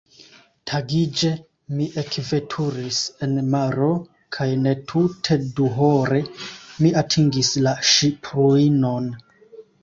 Tagiĝe, mi ekveturis enmaron kaj netute duhore, mi atingis la ŝipruinon.